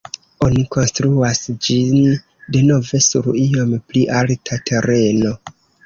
Oni konstruas ĝin denove sur iom pli alta tereno.